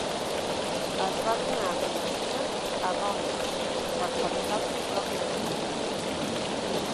Es va donar a conèixer a Rollins per fabricar el seu propi equip químic.